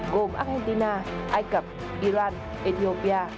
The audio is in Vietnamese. gồm argentina ai cập iran ethiopia